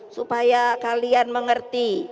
supaya kalian mengerti